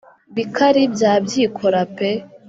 bikari bya byikora pe